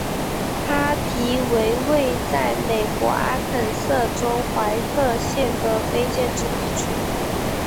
哈皮为位在美国阿肯色州怀特县的非建制地区。